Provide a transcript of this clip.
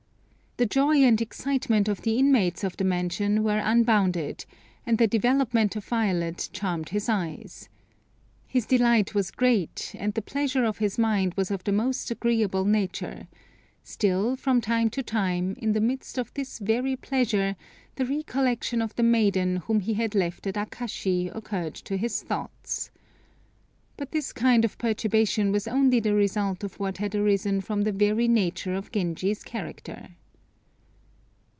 The joy and excitement of the inmates of the mansion were unbounded, and the development of Violet charmed his eyes. His delight was great and the pleasure of his mind was of the most agreeable nature; still, from time to time, in the midst of this very pleasure, the recollection of the maiden whom he had left at Akashi occurred to his thoughts. But this kind of perturbation was only the result of what had arisen from the very nature of Genji's character.